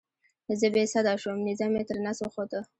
زه بې سده شوم نیزه مې تر نس وخوته.